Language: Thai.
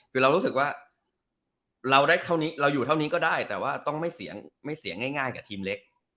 คือเรารู้สึกว่าเราได้เท่านี้เราอยู่เท่านี้ก็ได้แต่ว่าต้องไม่เสียงง่ายกับทีมเล็ก